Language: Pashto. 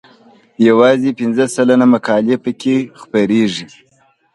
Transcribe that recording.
یوازې پنځه سلنه مقالې پکې خپریږي.